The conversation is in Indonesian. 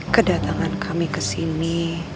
kedatangan kami kesini